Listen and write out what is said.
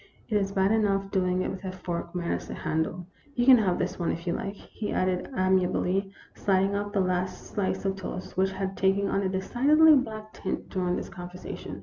It is bad enough doing it with a fork minus a handle. You can have this now, if you like," he added amiably, sliding off the last slice of toast, which had taken on a decidedly black tint during this conver sation.